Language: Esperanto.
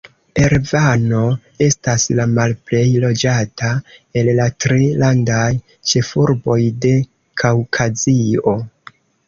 Erevano estas la malplej loĝata el la tri landaj ĉefurboj de Kaŭkazio.